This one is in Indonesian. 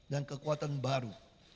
dan kekuatan baru